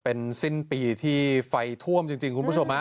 เป็นสิ้นปีที่ไฟท่วมจริงคุณผู้ชมฮะ